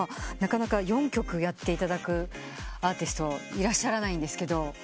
なかなか４曲やっていただくアーティストいらっしゃらないんですけど。